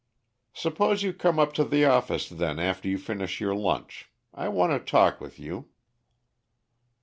"Suppose you come up to the office, then, after you finish your lunch. I want to talk with you."